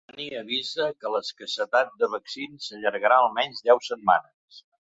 Alemanya avisa que l’escassetat de vaccins s’allargarà “almenys deu setmanes”